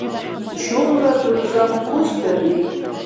Чумра дурзам кусдариб